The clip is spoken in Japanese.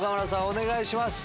お願いします。